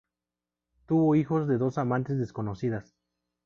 Tuvo hijos de dos amantes desconocidas.